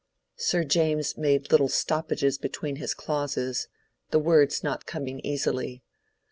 Sir James made little stoppages between his clauses, the words not coming easily.